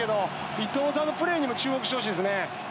伊東さんのプレーにも注目してほしいですね。